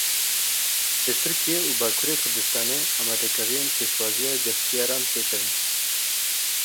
Li Tirkiye û Bakurê Kurdistanê amadekariyên pêşwaziya geştiyaran tê kirin.